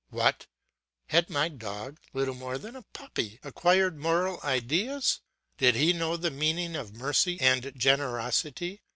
What! Had my dog, little more than a puppy, acquired moral ideas? Did he know the meaning of mercy and generosity?